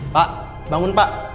pak bangun pak